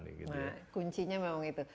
nah kuncinya memang itu